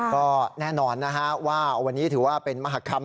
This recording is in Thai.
ก็แน่นอนนะฮะว่าวันนี้ถือว่าเป็นมหากรรม